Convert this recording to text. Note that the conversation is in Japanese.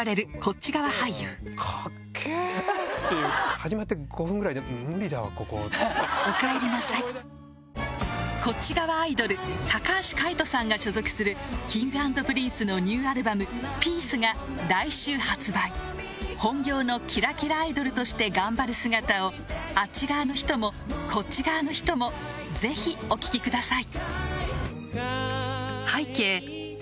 次回おかえりなさいこっち側アイドル橋海人さんが所属するＫｉｎｇ＆Ｐｒｉｎｃｅのニューアルバム『ピース』が来週発売本業のキラキラアイドルとして頑張る姿をあっち側の人もこっち側の人もぜひお聴きください